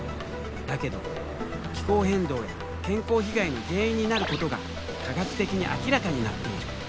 だけど気候変動や健康被害の原因になることが科学的に明らかになっている。